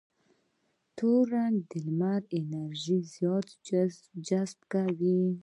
تور رنګ د لمر انرژي ډېره جذبه کوي.